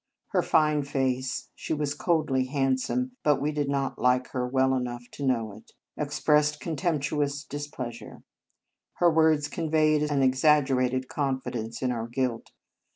Her fine face (she was coldly hand some, but we did not like her well enough to know it) expressed con temptuous displeasure; her words conveyed a somewhat exaggerated confidence in our guilt.